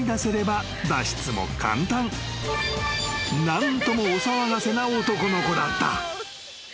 ［何ともお騒がせな男の子だった］